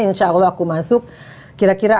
insya allah aku masuk kira kira